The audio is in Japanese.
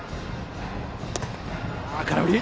空振り。